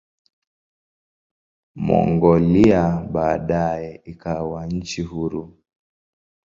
Mongolia baadaye ikawa nchi huru.